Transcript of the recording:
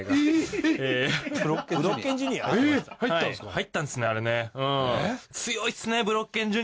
入ったんですねあれね。